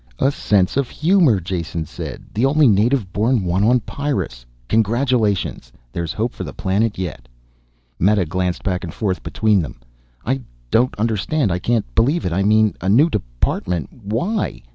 "A sense of humor," Jason said. "The only native born one on Pyrrus. Congratulations, there's hope for the planet yet." Meta glanced back and forth between them. "I don't understand. I can't believe it. I mean a new department why?"